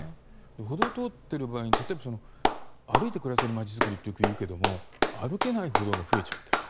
歩道を通っている場合に例えば歩いて暮らせるまちづくりっていうけれども歩けない歩道が増えちゃっている。